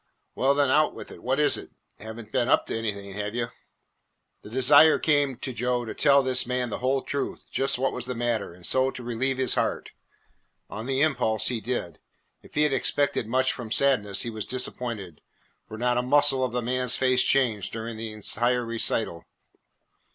"Well, then, out with it. What is it? Have n't been up to anything, have you?" The desire came to Joe to tell this man the whole truth, just what was the matter, and so to relieve his heart. On the impulse he did. If he had expected much from Sadness he was disappointed, for not a muscle of the man's face changed during the entire recital.